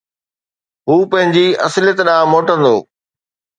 هو پنهنجي اصليت ڏانهن موٽندو